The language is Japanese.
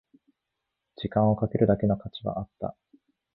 時間をかけるだけの価値はあった